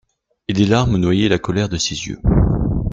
Et des larmes noyaient la colère de ses yeux.